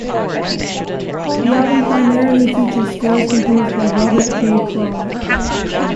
The album primarily features scores composed by Robert J. Kral.